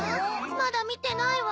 まだみてないわ。